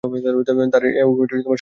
তার এ অভিমতটি সন্দেহমুক্ত নয়।